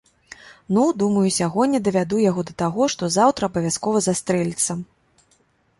Ну, думаю, сягоння давяду яго да таго, што заўтра абавязкова застрэліцца.